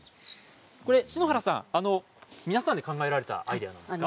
篠原さん、皆さんで考えられたんですか？